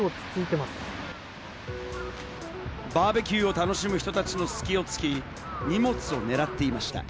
バーベキューを楽しむ人たちの隙を突き、荷物をねらっていました。